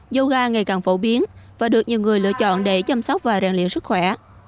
yoga ngày càng phổ biến và được nhiều người lựa chọn để chăm sóc và rèn luyện sức khỏe